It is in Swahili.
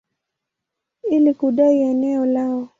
ili kudai eneo lao.